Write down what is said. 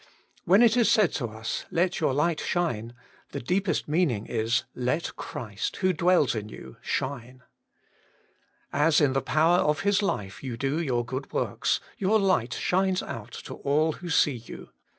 When it is said to us, Let your light shine, the deepest meaning is, let Christ, who dwells in you, shine. As in the power of His life you do Working for God 19 your good works, your light shines out to all who see you.